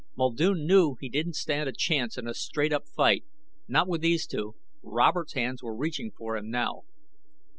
Muldoon knew he didn't stand a chance in a straight up fight, not with these two. Robert's hands were reaching for him, now.